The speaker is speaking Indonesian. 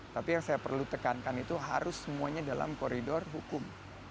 tapi yang saya perlu tekankan itu harus semuanya dalam koridor hukum